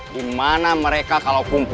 dimana mereka kalau kumpul